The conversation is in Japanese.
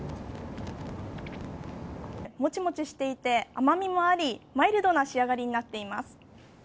もちもちしていて甘みもありマイルドな仕上がりになっています。